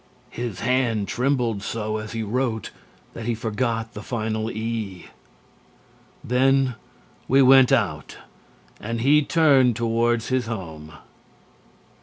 His hand trembled so as he wrote that he forgot the final "e". Then we went out and he turned toward his home.